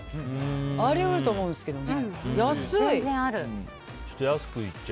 あり得ると思うんですけどね。